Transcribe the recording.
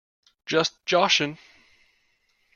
Just joshing!